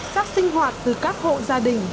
rác sinh hoạt từ các hộ gia đình